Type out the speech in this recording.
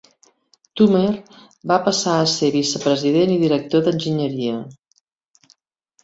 Toomer va passar a ser vicepresident i director d"enginyeria.